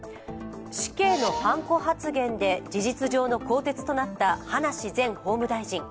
死刑のはんこ発言で事実上の更迭となった葉梨前法務大臣。